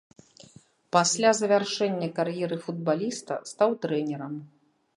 Пасля завяршэння кар'еры футбаліста стаў трэнерам.